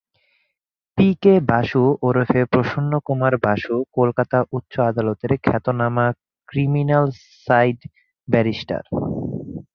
P K Basu ওরফে প্রসন্নকুমার বসু, কলকাতা উচ্চ আদালতের খ্যাতনামা ক্রিমিনাল সাইড ব্যারিস্টার।